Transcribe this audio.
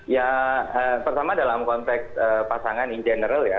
ya pertama dalam konteks pasangan in general ya